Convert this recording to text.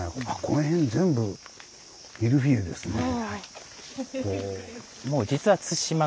この辺全部ミルフィーユですね。